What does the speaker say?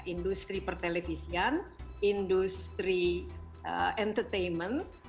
industri pertelevisian industri entertainment